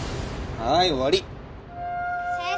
はい終わり・先生